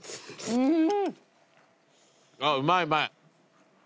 うん。